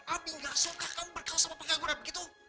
abi gak suka kamu berkawas sama penggangguan begitu